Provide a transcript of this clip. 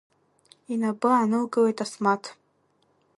Инапы аанылкылеит Асмаҭ.